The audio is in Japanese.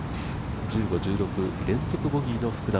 １５、１６連続ボギーの福田。